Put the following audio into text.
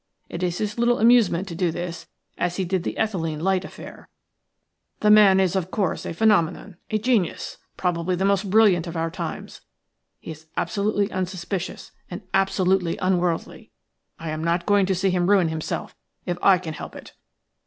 It is his little amusement to do this, as he did the Ethylene light affair. The man is, of course, a phenomenon, a genius, probably the most brilliant of our times. He is absolutely unsuspicious and absolutely unworldly. I am not going to see him ruin himself if I can help it."